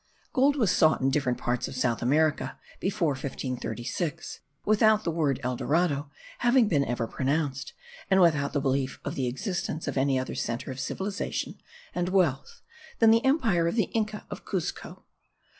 Gold was sought in different parts of South America before 1536, without the word El Dorado having been ever pronounced, and without the belief of the existence of any other centre of civilization and wealth, than the empire of the Inca of Cuzco.